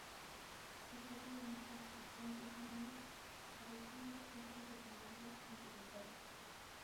Se trata de una construcción que tiene adosadas otras dependencias complementarias.